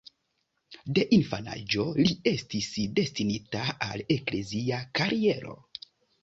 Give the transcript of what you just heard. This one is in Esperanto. De infanaĝo li estis destinita al eklezia kariero.